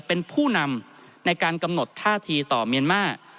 เป็นผู้นำในการกำหนดท่าทีต่อเมียนมาร์